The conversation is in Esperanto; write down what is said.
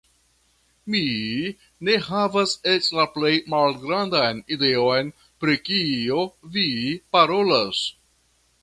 Mi ne havas eĉ la plej malgrandan ideon pri kio vi parolas.